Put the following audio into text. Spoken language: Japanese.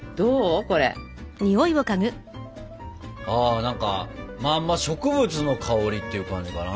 あ何かまあ植物の香りっていう感じかな？